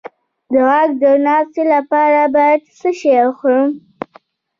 د غږ د ناستې لپاره باید څه شی وخورم؟